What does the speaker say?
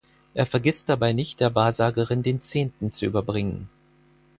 Er vergisst dabei nicht, der Wahrsagerin den Zehnten zu überbringen.